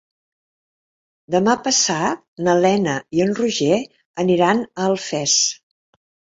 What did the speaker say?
Demà passat na Lena i en Roger aniran a Alfés.